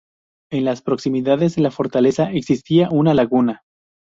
En las proximidades de la fortaleza existía una laguna.